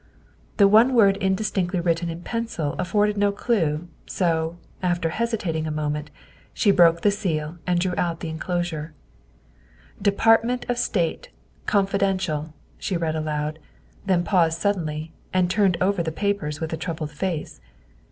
The one word indistinctly written in pencil afforded no clue, so, after hesitating a moment, she broke the seal and drew out the enclosure. " Department of State. Confidential," she read aloud, then paused suddenly and turned over the papers with a troubled face.